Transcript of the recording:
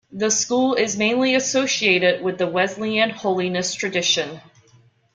The school is mainly associated with the Wesleyan-Holiness tradition.